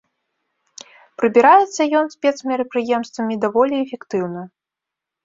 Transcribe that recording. Прыбіраецца ён спецмерапрыемствамі даволі эфектыўна.